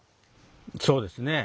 そうですね。